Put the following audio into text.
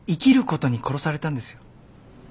ことに殺されたんですよ。